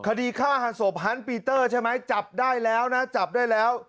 คดีฆ่าหันศพฮันต์ปีเตอร์ใช่ไหมจับได้แล้วนะจับได้แล้ว